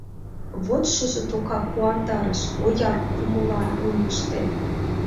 Вот шыже тока куандарыш Ояр кумылан улмыж ден.